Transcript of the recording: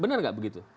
benar gak begitu